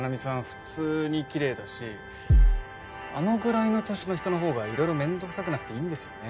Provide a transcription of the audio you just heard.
普通にきれいだしあのぐらいの年の人の方がいろいろめんどくさくなくていいんですよね。